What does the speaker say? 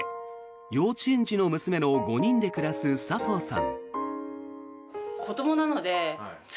幼稚園児の娘の５人で暮らす佐藤さん。